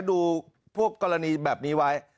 ดูพวกกรณีแบบนี้ไว้